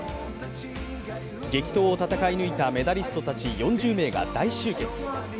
激闘を戦い抜いたメダリストたち４０名が大集結。